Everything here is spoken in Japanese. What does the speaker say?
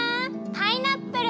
パイナップル！